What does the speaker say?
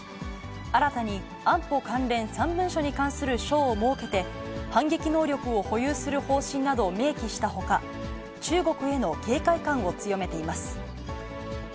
新たに、安保関連３文書に関する章を設けて、反撃能力を保有する方針などを明記したほか、中国への警戒感を強めています。